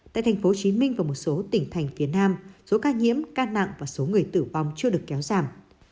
tại tp hcm và một số tỉnh thành phía nam số ca nhiễm ca nặng và số người tử vong chưa được kéo giảm